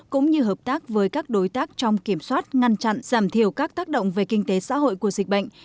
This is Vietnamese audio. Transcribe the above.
cũng như hợp tác với các đối tác trong kiểm soát ngăn chặn giảm thiểu các tác động về kinh tế xã hội của dịch bệnh